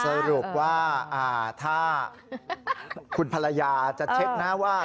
สรุปว่าถ้าคุณภรรยาจะเช็คนะว่า